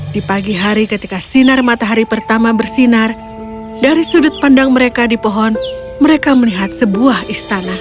di pagi hari ketika sinar matahari pertama bersinar dari sudut pandang mereka di pohon mereka melihat sebuah istana